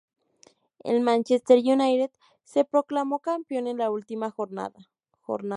El Manchester United se proclamó campeón en la última jornada.